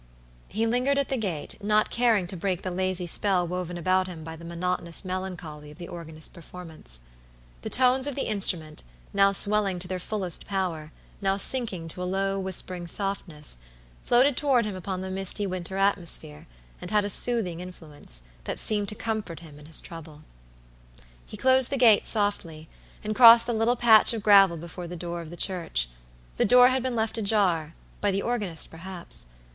He lingered at the gate, not caring to break the lazy spell woven about him by the monotonous melancholy of the organist's performance. The tones of the instrument, now swelling to their fullest power, now sinking to a low, whispering softness, floated toward him upon the misty winter atmosphere, and had a soothing influence, that seemed to comfort him in his trouble. He closed the gate softly, and crossed the little patch of gravel before the door of the church. The door had been left ajarby the organist, perhaps.